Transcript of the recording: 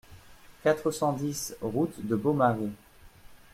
quatre cent dix route de Beaumarais